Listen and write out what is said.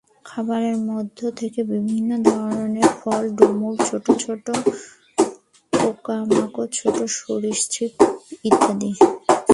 খাবারের মধ্যে থাকে বিভিন্ন ধরনের ফল, ডুমুর, ছোটো ছোটো পোকামাকড়, ছোটো সরীসৃপ ইত্যাদি।